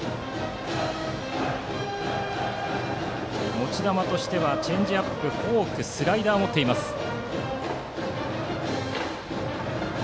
持ち球としてはチェンジアップフォーク、スライダーを持っています、荒川。